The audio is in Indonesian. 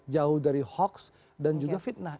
jauh dari hoax dan juga fitnah